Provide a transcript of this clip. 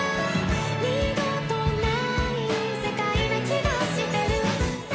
「二度とない世界な気がしてる」